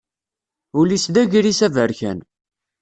Ul-is d agris aberkan.